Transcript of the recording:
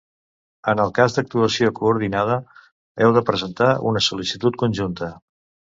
En el cas d'actuació coordinada, heu de presentar una sol·licitud conjunta.